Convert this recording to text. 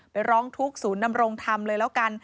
ร้องทุกข์ศูนย์นำรงธรรมเลยแล้วกัน